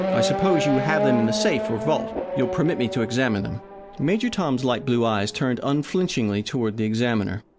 I suppose you have them in the safe or vault. You will permit me to examine them." Major Tom's light blue eyes turned unflinchingly toward the examiner.